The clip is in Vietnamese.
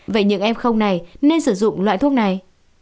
vậy những em không này nên sử dụng loại thuốc này